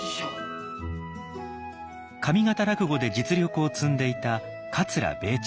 上方落語で実力を積んでいた桂米朝。